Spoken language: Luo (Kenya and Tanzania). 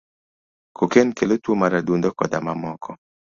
Cocaine kelo tuo mar adundo, koda mamoko.